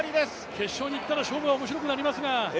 決勝にいったら勝負は面白くなりますが。